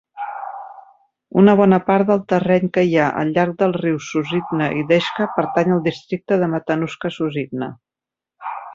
Una bona part del terreny que hi al llarg dels rius Susitna i Deshka pertany al districte de Matanuska-Susitna.